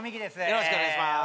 よろしくお願いします